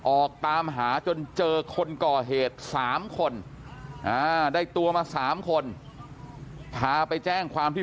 ออกตามหาจนเจอคนก่อเหตุ๓คนได้ตัวมา๓คนพาไปแจ้งความที่